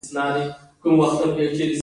د یونان په زرینه دوره کې اکروپولیس هم جوړ شو.